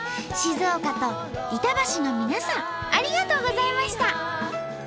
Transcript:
静岡と板橋の皆さんありがとうございました！